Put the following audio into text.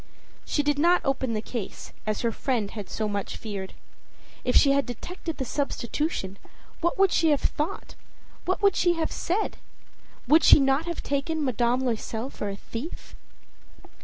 â She did not open the case, as her friend had so much feared. If she had detected the substitution, what would she have thought, what would she have said? Would she not have taken Madame Loisel for a thief?